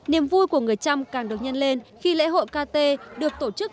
niềm vui của người trăm càng được nhân lên khi lễ hội kt được tổ chức